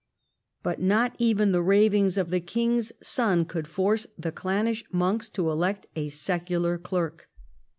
But not even the ravings of the king's son could force the clannish monks to elect a secular clerk.